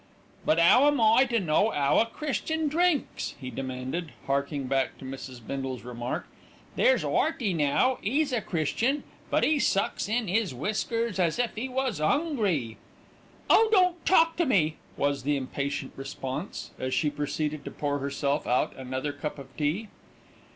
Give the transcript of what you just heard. "But 'ow am I to know 'ow a Christian drinks?" he demanded, harking back to Mrs. Bindle's remark. "There's 'Earty now, 'e's a Christian; but he sucks in 'is whiskers as if 'e was 'ungry." "Oh! don't talk to me," was the impatient response, as she proceeded to pour herself out another cup of tea.